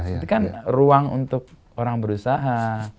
itu kan ruang untuk orang berusaha